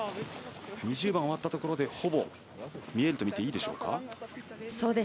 ２０番が終わったところでほぼ見えるとみていいでしょうか。